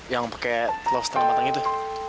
yang pakai telur setengah matang itu